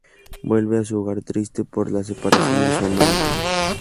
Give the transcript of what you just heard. Vuelve a su hogar triste por la separación de su amante.